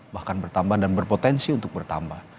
bahkan bertambah dan berpotensi untuk bertambah